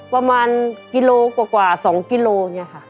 ประมาณกิโลกว่า๒กิโลเนี่ยค่ะ